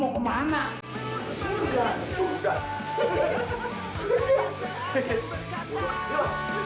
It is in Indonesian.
d perempuan yang aku sudah smoch dan pak ostatnya